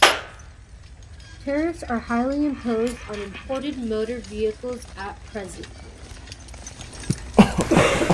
Tariffs are highly imposed on imported motor vehicles at present.